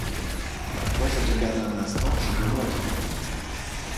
Toi, je te garde un instant, j'ai deux mots à te dire.